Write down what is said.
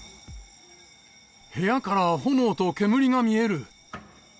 部屋から炎と煙が見える。